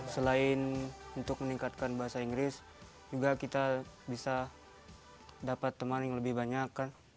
selain untuk meningkatkan bahasa inggris juga kita bisa dapat teman yang lebih banyak